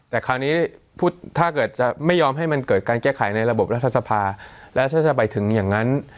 แต่คราวนี้ถ้าเกิดจะไม่ยอมให้มันเกิดการแก้ไขในระบบรัฐสภาแล้วถ้าจะไปถึงอย่างนั้น